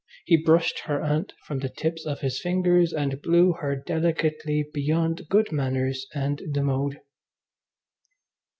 He brushed her Aunt from the tips of his fingers and blew her delicately beyond good manners and the mode.